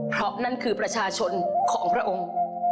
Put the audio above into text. เพราะนั่นคือประชาชนของพระองค์